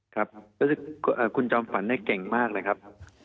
ครับคุณจอมฝันเนี่ยเก่งมากเลยครับ